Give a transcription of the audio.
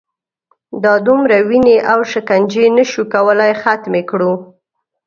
دا دومره وینې او شکنجې نه شو کولای ختمې کړو.